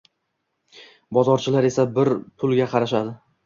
Bozorchilar esa bir pulga qarashadi